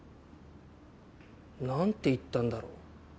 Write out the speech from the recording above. なんて言ったんだろう？